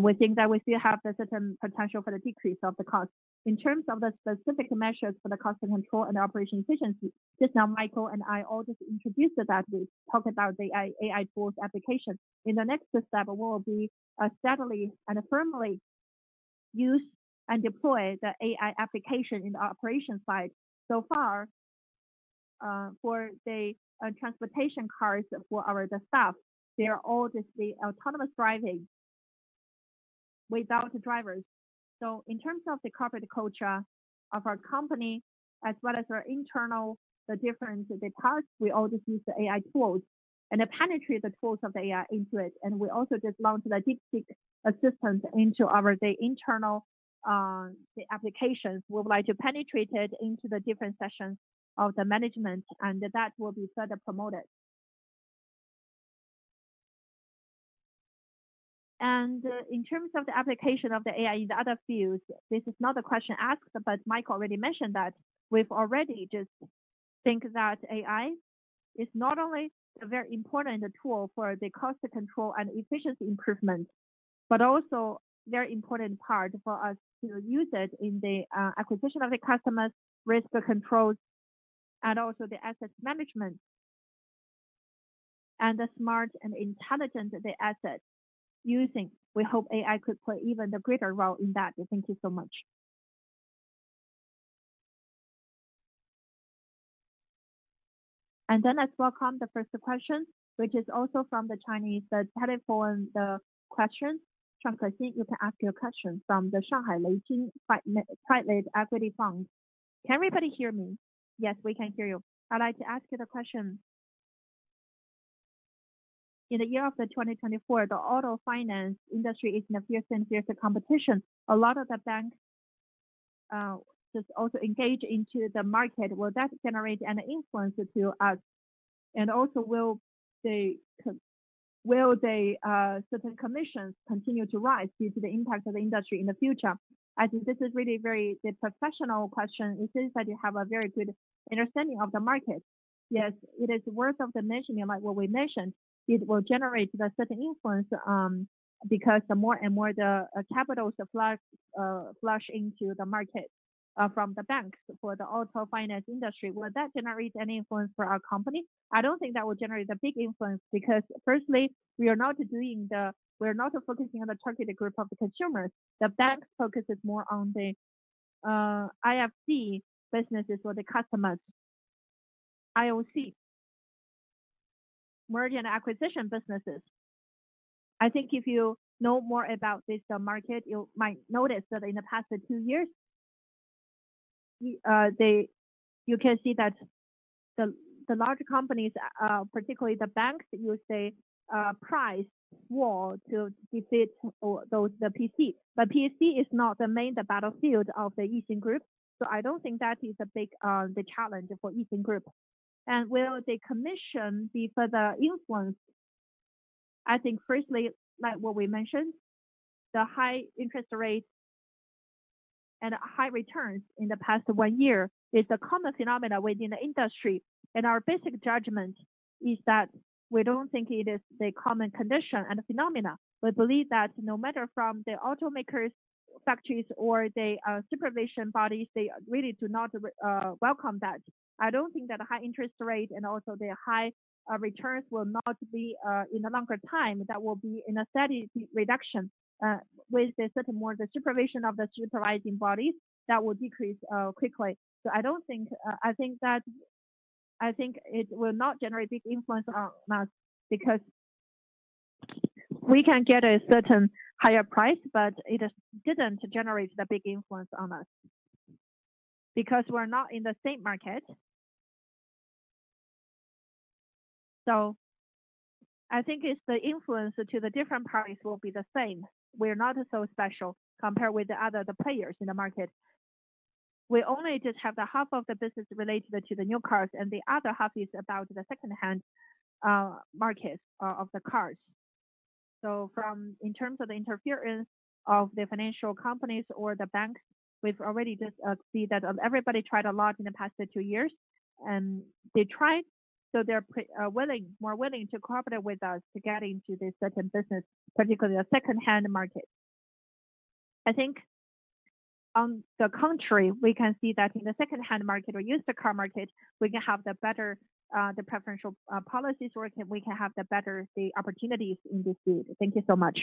We think that we still have the certain potential for the decrease of the cost. In terms of the specific measures for the cost control and operation efficiency, just now Michael and I all just introduced that we talked about the AI tools application. In the next step, we will be steadily and firmly use and deploy the AI application in the operation side. So far, for the transportation cars for our staff, they are all just the autonomous driving without drivers. So in terms of the corporate culture of our company, as well as our internal, the different parts, we all just use the AI tools and penetrate the tools of the AI into it, and we also just launched the DeepSeek assistant into our internal applications. We would like to penetrate it into the different sessions of the management, and that will be further promoted. In terms of the application of the AI in the other fields, this is not a question asked, but Michael already mentioned that we've already just think that AI is not only a very important tool for the cost control and efficiency improvement, but also a very important part for us to use it in the acquisition of the customers, risk controls, and also the asset management and the smart and intelligent asset using. We hope AI could play even the greater role in that. Thank you so much. Then let's welcome the first question, which is also from the Chinese telephone question. Zhang Kexin, you can ask your question from the Shanghai Leiqing Private Equity Fund. Can everybody hear me? Yes, we can hear you. I'd like to ask you the question. In the year of 2024, the auto finance industry is in a fierce and fierce competition. A lot of the banks just also engage into the market. Will that generate an influence to us? And also, will the certain commissions continue to rise due to the impact of the industry in the future? I think this is really a very professional question. It seems that you have a very good understanding of the market. Yes, it is worth mentioning, like what we mentioned. It will generate a certain influence because more and more the capital flush into the market from the banks for the auto finance industry. Will that generate any influence for our company? I don't think that will generate a big influence because, firstly, we're not focusing on the targeted group of the consumers. The bank focuses more on the IFC businesses or the customers, IOC, merger acquisition businesses. I think if you know more about this market, you might notice that in the past two years, you can see that the large companies, particularly the banks, use the price war to defeat the PC. But PC is not the main battlefield of the Yixin Group. So I don't think that is a big challenge for Yixin Group. And will the commission be further influenced? I think, firstly, like what we mentioned, the high interest rate and high returns in the past one year is a common phenomenon within the industry. And our basic judgment is that we don't think it is the common condition and phenomenon. We believe that no matter from the automakers, factories, or the supervision bodies, they really do not welcome that. I don't think that the high interest rate and also the high returns will not be in a longer time. That will be in a steady reduction with the certain more of the supervision of the supervising bodies that will decrease quickly. So I don't think it will not generate big influence on us because we can get a certain higher price, but it didn't generate the big influence on us because we're not in the same market. So I think it's the influence to the different parties will be the same. We're not so special compared with the other players in the market. We only just have the half of the business related to the new cars, and the other half is about the second-hand markets of the cars. So in terms of the interference of the financial companies or the banks, we've already just seen that everybody tried a lot in the past two years, and they tried. So they're more willing to cooperate with us to get into this certain business, particularly the second-hand market. I think on the contrary, we can see that in the second-hand market or used car market, we can have the better the preferential policies working. We can have the better the opportunities in this field. Thank you so much.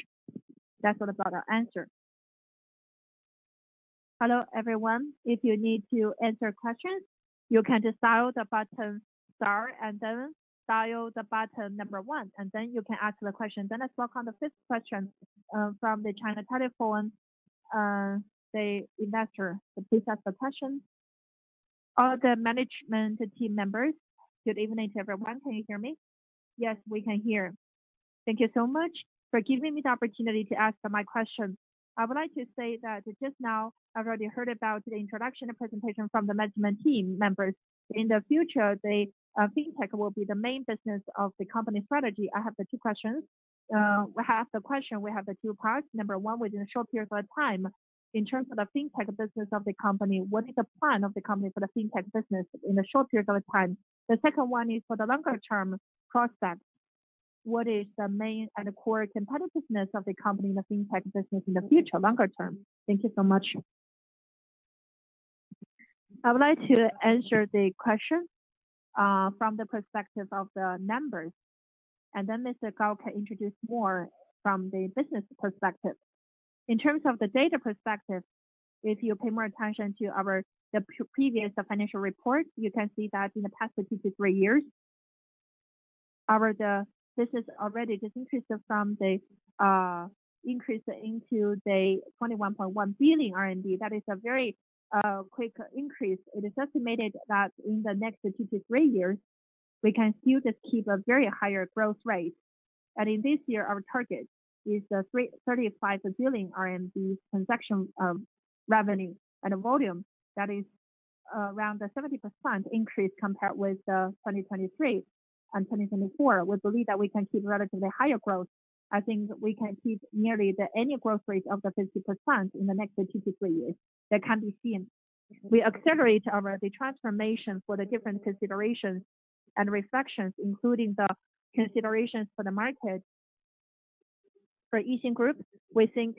That's all about our answer. Hello, everyone. If you need to answer questions, you can just dial the button star and then dial the button number one, and then you can ask the question. Then let's welcome the fifth question from the China telephone investor. Please ask the question. All the management team members, good evening to everyone. Can you hear me? Yes, we can hear. Thank you so much for giving me the opportunity to ask my question. I would like to say that just now I've already heard about the introduction and presentation from the management team members. In the future, the fintech will be the main business of the company strategy. I have the two questions. We have the question. We have the two parts. Number one, within a short period of time, in terms of the fintech business of the company, what is the plan of the company for the fintech business in the short period of time? The second one is for the longer-term prospect. What is the main and core competitiveness of the company in the fintech business in the future, longer term? Thank you so much. I would like to answer the question from the perspective of the members, and then Mr. Gao can introduce more from the business perspective. In terms of the data perspective, if you pay more attention to the previous financial report, you can see that in the past two to three years, our business already just increased from the increase into the 21.1 billion RMB. That is a very quick increase. It is estimated that in the next two to three years, we can still just keep a very higher growth rate, and in this year, our target is the 35 billion RMB transaction revenue and volume. That is around a 70% increase compared with 2023 and 2024. We believe that we can keep relatively higher growth. I think we can keep nearly the annual growth rate of the 50% in the next two to three years. That can be seen. We accelerate our transformation for the different considerations and reflections, including the considerations for the market for Yixin Group. We think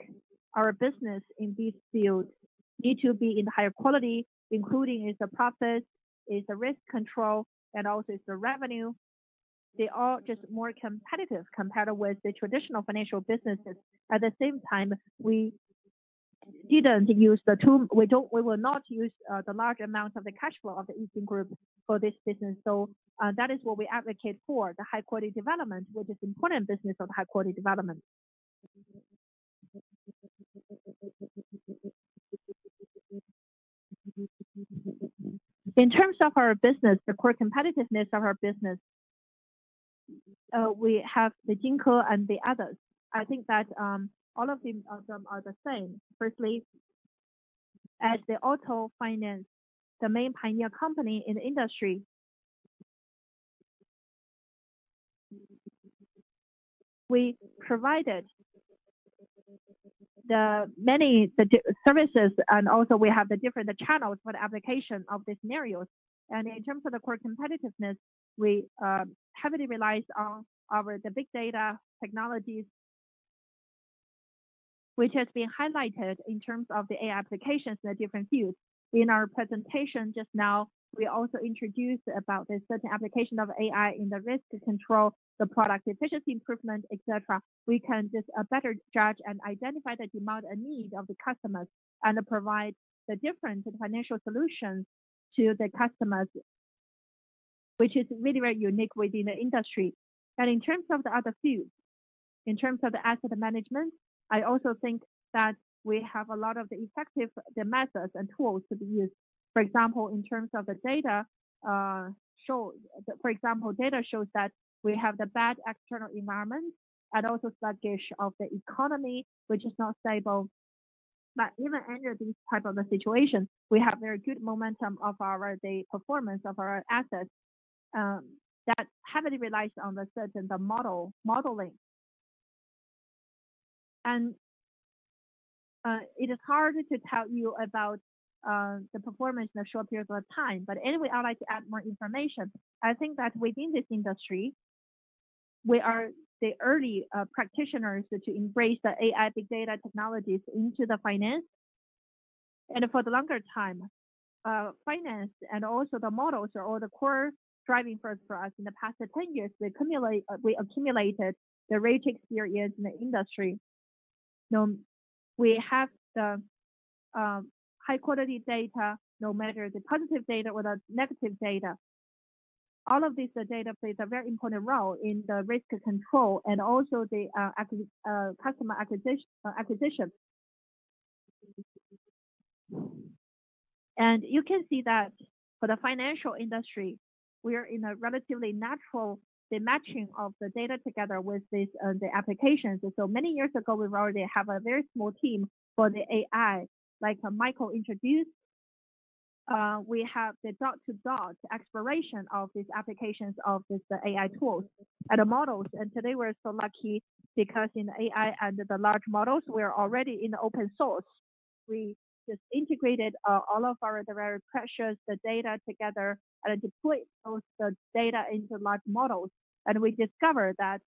our business in these fields needs to be in higher quality, including the profits, the risk control, and also the revenue. They are just more competitive compared with the traditional financial businesses. At the same time, we didn't use too, we will not use the large amount of the cash flow of the Yixin Group for this business. So that is what we advocate for, the high-quality development, which is important business of high-quality development. In terms of our business, the core competitiveness of our business, we have the Jinko and the others. I think that all of them are the same. Firstly, as the auto finance, the main pioneer company in the industry, we provided the many services, and also we have the different channels for the application of the scenarios. And in terms of the core competitiveness, we heavily rely on the big data technologies, which has been highlighted in terms of the AI applications in the different fields. In our presentation just now, we also introduced about the certain application of AI in the risk control, the product efficiency improvement, etc. We can just better judge and identify the demand and need of the customers and provide the different financial solutions to the customers, which is really very unique within the industry. And in terms of the other fields, in terms of the asset management, I also think that we have a lot of the effective methods and tools to be used. For example, in terms of the data, for example, data shows that we have the bad external environment and also sluggish of the economy, which is not stable. But even under this type of a situation, we have very good momentum of our performance of our assets that heavily relies on the certain modeling. And it is hard to tell you about the performance in a short period of time. But anyway, I'd like to add more information. I think that within this industry, we are the early practitioners to embrace the AI big data technologies into the finance. And for the longer time, finance and also the models are all the core driving for us in the past 10 years. We accumulated the rich experience in the industry. We have the high-quality data, no matter the positive data or the negative data. All of these data plays a very important role in the risk control and also the customer acquisition, and you can see that for the financial industry, we are in a relatively natural matching of the data together with the applications, so many years ago, we've already had a very small team for the AI, like Michael introduced. We have the end-to-end exploration of these applications of the AI tools and the models, and today, we're so lucky because in AI and the large models, we are already in open source. We just integrated all of our very precious data together and deployed the data into large models, and we discovered that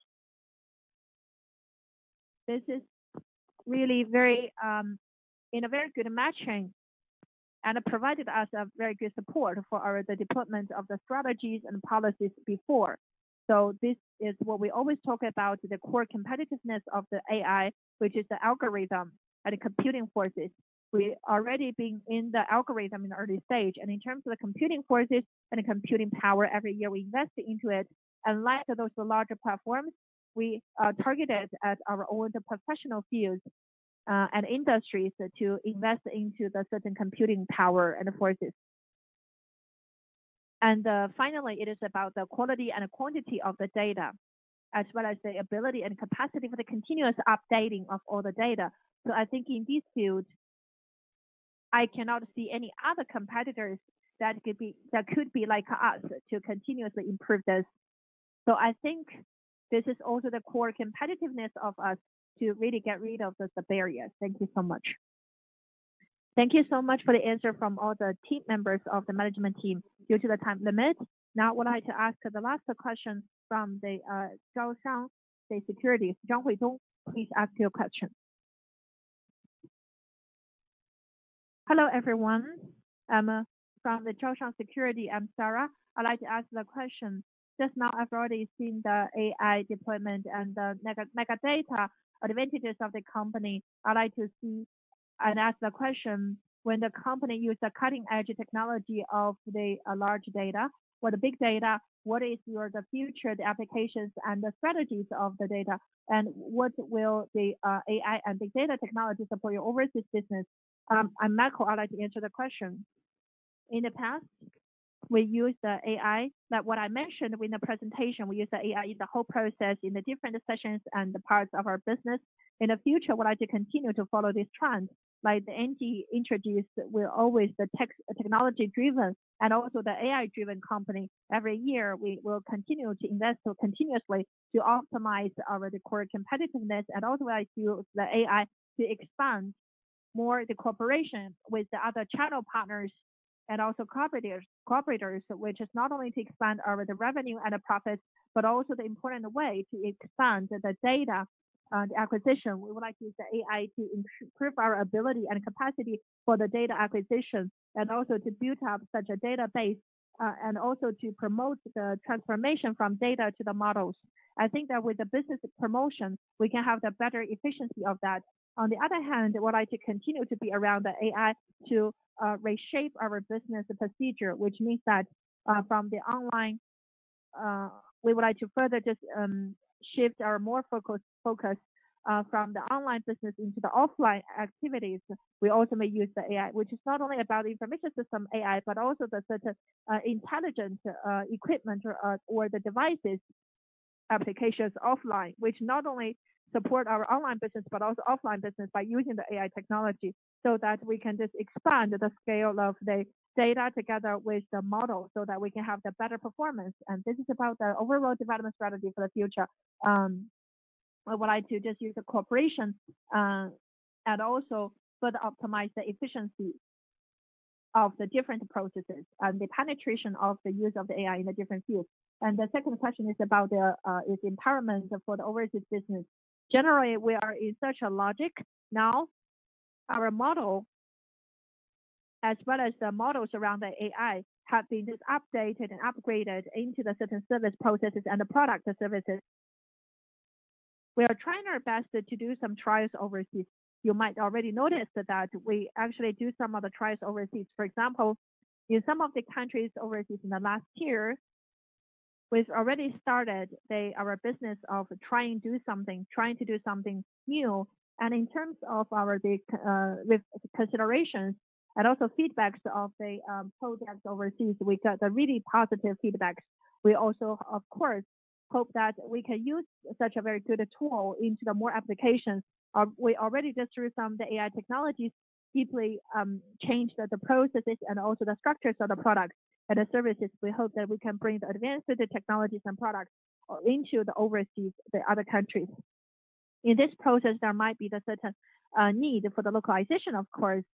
this is really very in a very good matching and provided us a very good support for our development of the strategies and policies before. So this is what we always talk about, the core competitiveness of the AI, which is the algorithm and the computing forces. We already been in the algorithm in an early stage. And in terms of the computing forces and the computing power, every year we invest into it. And like those larger platforms, we targeted at our own professional fields and industries to invest into the certain computing power and forces. And finally, it is about the quality and quantity of the data, as well as the ability and capacity for the continuous updating of all the data. So I think in this field, I cannot see any other competitors that could be like us to continuously improve this. So I think this is also the core competitiveness of us to really get rid of the barriers. Thank you so much. Thank you so much for the answer from all the team members of the management team due to the time limit. Now, I would like to ask the last question from China Merchants Securities. Zhang Huizong, please ask your question. Hello, everyone. I'm from China Merchants Securities. I'm Sarah. I'd like to ask the question. Just now, I've already seen the AI deployment and the big data advantages of the company. I'd like to see and ask the question, when the company uses the cutting-edge technology of the large data, or the big data, what is your future applications and the strategies of the data? And what will the AI and big data technologies support your overseas business? And Michael, I'd like to answer the question. In the past, we used the AI that what I mentioned in the presentation. We used the AI in the whole process, in the different sessions and the parts of our business. In the future, I'd like to continue to follow this trend. Like the NG introduced, we're always the technology-driven and also the AI-driven company. Every year, we will continue to invest continuously to optimize our core competitiveness and also use the AI to expand more the cooperation with the other channel partners and also cooperators, which is not only to expand our revenue and the profits, but also the important way to expand the data acquisition. We would like to use the AI to improve our ability and capacity for the data acquisition and also to build up such a database and also to promote the transformation from data to the models. I think that with the business promotion, we can have the better efficiency of that. On the other hand, I would like to continue to be around the AI to reshape our business procedure, which means that from the online, we would like to further just shift our more focus from the online business into the offline activities. We ultimately use the AI, which is not only about the information system AI, but also the intelligent equipment or the devices applications offline, which not only support our online business, but also offline business by using the AI technology so that we can just expand the scale of the data together with the model so that we can have the better performance, and this is about the overall development strategy for the future. I would like to just use the cooperation and also further optimize the efficiency of the different processes and the penetration of the use of the AI in the different fields, and the second question is about the empowerment for the overseas business. Generally, we are in such a logic now. Our model, as well as the models around the AI, have been just updated and upgraded into the certain service processes and the product services. We are trying our best to do some trials overseas. You might already notice that we actually do some of the trials overseas. For example, in some of the countries overseas in the last year, we've already started our business of trying to do something, trying to do something new, and in terms of our considerations and also feedbacks of the projects overseas, we got the really positive feedbacks. We also, of course, hope that we can use such a very good tool into the more applications. We already just through some of the AI technologies deeply changed the processes and also the structures of the products and the services. We hope that we can bring the advanced technologies and products into the overseas, the other countries. In this process, there might be the certain need for the localization, of course.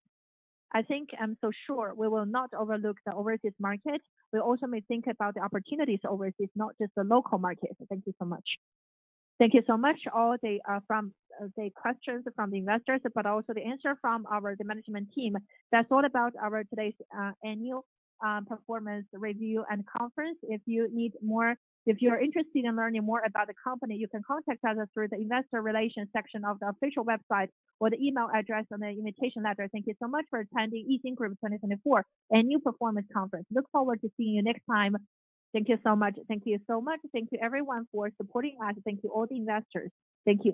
I think I'm so sure we will not overlook the overseas market. We also may think about the opportunities overseas, not just the local markets. Thank you so much. Thank you so much all the questions from the investors, but also the answer from our management team. That's all about our today's annual performance review and conference. If you need more, if you're interested in learning more about the company, you can contact us through the investor relations section of the official website or the email address on the invitation letter. Thank you so much for attending Yixin Group 2024 Annual Performance Conference. Look forward to seeing you next time. Thank you so much. Thank you so much. Thank you, everyone, for supporting us. Thank you, all the investors. Thank you.